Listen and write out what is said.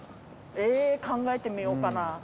えぇー考えてみようかな。